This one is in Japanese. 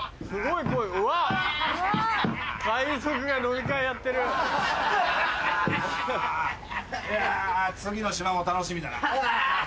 いや次の島も楽しみだな。